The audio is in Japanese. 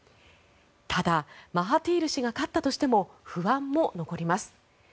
ただ、マハティール氏が勝ったとしても不安も残ります。